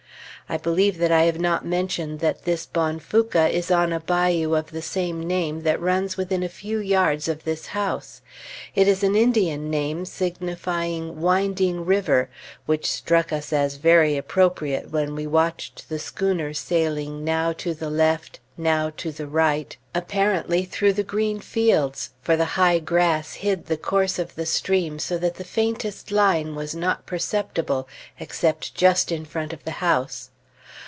I believe that I have not mentioned that this Bonfouca is on a bayou of the same name that runs within a few yards of this house. It is an Indian name signifying Winding River, which struck us as very appropriate when we watched the schooner sailing now to the left, now to the right, apparently through the green fields; for the high grass hid the course of the stream so that the faintest line was not perceptible, except just in front of the house.